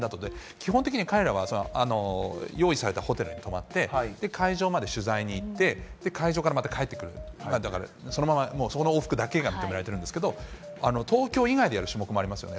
基本的に彼らは用意されたホテルに泊まって、会場まで取材に行って、会場からまた帰ってくる、だからそのままもうそこの往復だけが認められてるんですけど、東京以外でやる種目もありますよね。